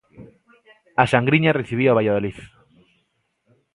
A Sangriña recibía o Valladolid.